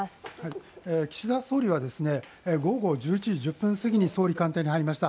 岸田総理は午後１１時１０分過ぎに総理官邸に入りました。